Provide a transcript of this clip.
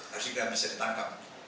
harusnya bisa ditangkap